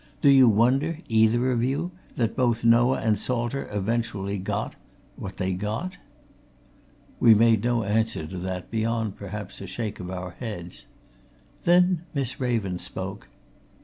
Do you wonder, either of you, that both Noah and Salter eventually got what they got?" We made no answer to that beyond, perhaps, a shake of our heads. Then Miss Raven spoke.